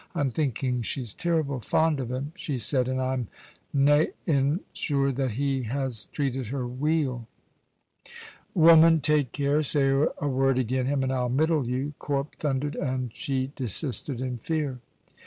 "I'm thinking she's terrible fond o' him," she said, "and I'm nain sure that he has treated her weel." "Woman, take care; say a word agin him and I'll mittle you!" Corp thundered, and she desisted in fear.